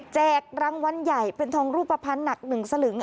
รางวัลใหญ่เป็นทองรูปภัณฑ์หนัก๑สลึง